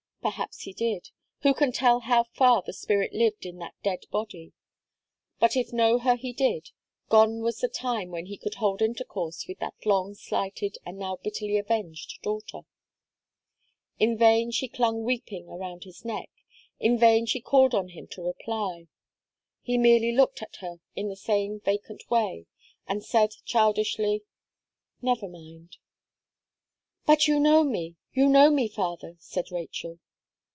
Perhaps he did. Who can tell how far the spirit lived in that dead body? But if know her he did, gone was the time when he could hold intercourse with that long slighted, and now bitterly avenged daughter. In vain she clung weeping around his neck, in vain she called on him to reply. He merely looked at her in the same vacant way, and said childishly, "Never mind." "But you know me you know me, father!" said Rachel.